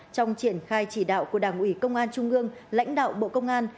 trong triển khai chỉ đạo của đảng ủy công an trung ương lãnh đạo bộ công an